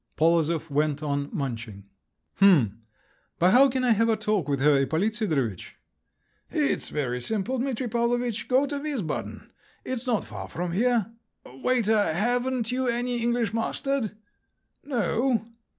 Polozov went on munching. "H'm…. But how can I have a talk with her, Ippolit Sidorovitch?" "It's very simple, Dimitri Pavlovitch. Go to Wiesbaden. It's not far from here. Waiter, haven't you any English mustard? No?